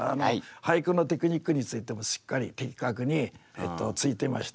俳句のテクニックについてもしっかり的確についていましたしね。